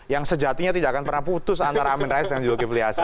yang sejatinya tidak akan pernah putus antara amin rais dan zulkifli hasan